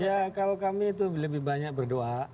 ya kalau kami itu lebih banyak berdoa